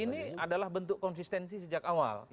ini adalah bentuk konsistensi sejak awal